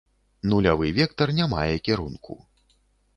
Нулявы вектар не мае кірунку.